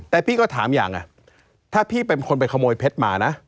แต่พี่ก็ถามอย่างถ้าพี่เป็นคนไปขโมยเพชรมานะ